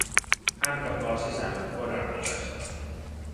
Hän katoaa sisälle kodan ovesta.